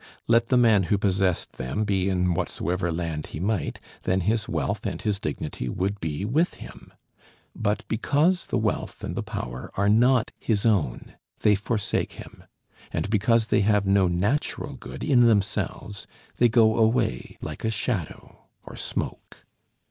Let the man who possessed them be in whatsoever land he might, then his wealth and his dignity would be with him. But because the wealth and the power are not his own, they forsake him; and because they have no natural good in themselves, they go away like a shadow or smoke.